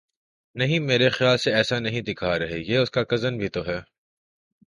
نہیں میرے خیال سے ایسا نہیں دکھا رہے یہ اس کا کزن بھی تو ہے